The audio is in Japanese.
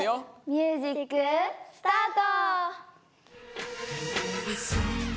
ミュージックスタート！